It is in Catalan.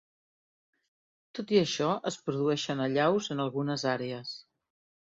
Tot i això, es produeixen allaus en algunes àrees.